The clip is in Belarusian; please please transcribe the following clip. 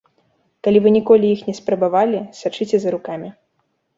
Калі вы ніколі іх не спрабавалі, сачыце за рукамі.